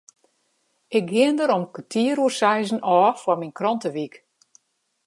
Ik gean der om kertier oer seizen ôf foar myn krantewyk.